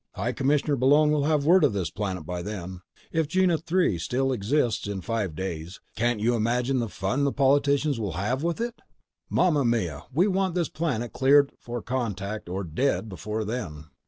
High Commissioner Bullone will have word of this planet by then. If Gienah III still exists in five days, can't you imagine the fun the politicians'll have with it? Mama mia! We want this planet cleared for contact or dead before then."